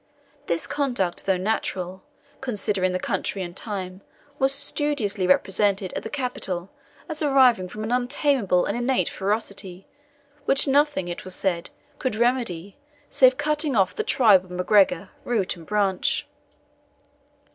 This conduct, though natural, considering the country and time, was studiously represented at the capital as arising from an untameable and innate ferocity, which nothing, it was said, could remedy, save cutting off the tribe of MacGregor root and branch.